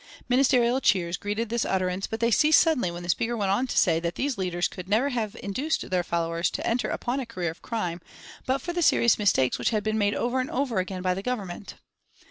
Ministerial cheers greeted this utterance, but they ceased suddenly when the speaker went on to say that these leaders could never have induced their followers to enter upon a career of crime but for the serious mistakes which had been made over and over again by the Government.